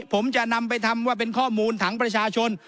ผมจะนำไปทำว่าเป็นข้อมูลถังประชาชน